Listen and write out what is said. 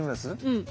うん。